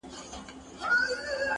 له هر چا یې دی د عقل میدان وړی-